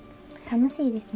楽しいです。